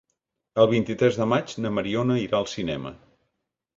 El vint-i-tres de maig na Mariona irà al cinema.